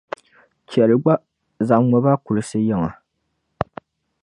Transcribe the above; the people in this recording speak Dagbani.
Chɛli gba, zaŋmi ba kulisi yiŋa